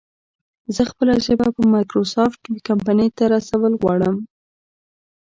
زه خپله ژبه په مايکروسافټ کمپنۍ ته رسول غواړم